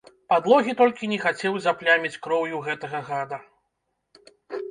Падлогі толькі не хацеў запляміць кроўю гэтага гада!